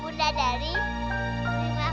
bunda dari ayo cepat